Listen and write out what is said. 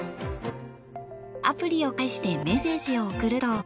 アプリを介してメッセージを送ると。